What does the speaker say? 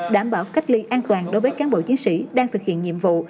đảm bảo cách ly an toàn đối với cán bộ chiến sĩ đang thực hiện nhiệm vụ